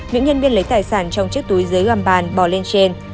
nữ nhân viên lấy tài sản trong chiếc túi dưới gầm bàn bỏ lên trên